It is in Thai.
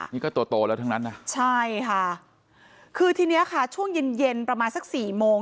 นี่ก็ตัวโตแล้วทั้งนั้นนะใช่ค่ะคือทีเนี้ยค่ะช่วงเย็นเย็นประมาณสักสี่โมง